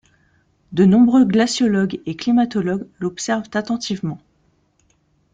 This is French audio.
De nombreux glaciologues et climatologues l'observent attentivement.